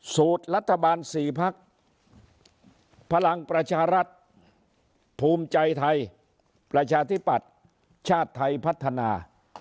สูตรรัฐบาล๔พักพลังประชารัฐภูมิใจไทยประชาธิปัตย์ชาติไทยพัฒนา